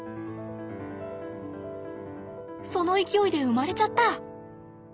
その勢いで生まれちゃった。